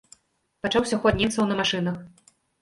Пачаўся ход немцаў на машынах.